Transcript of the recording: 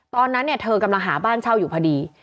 ตอนนั้นเนี่ยเธอกำลังหาบ้านเช่าอยู่พอดี